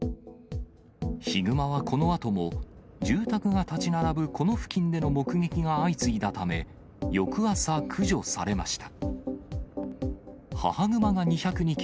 ヒグマはこのあとも、住宅が建ち並ぶこの付近での目撃が相次いだため、翌朝駆除されました。